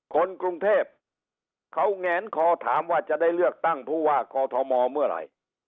คนกรุงเทพเขาแงนคอถามว่าจะได้เลือกตั้งผู้ว่ากอทมเมื่อไหร่